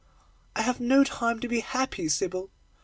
'I have no time to be happy, Sybil.